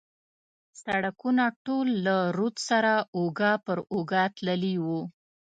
سړکونه ټول له رود سره اوږه پر اوږه تللي و.